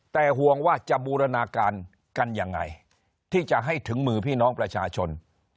แต่ห่วงว่าจะบูรณาการกันยังไงที่จะให้ถึงมือพี่น้องประชาชน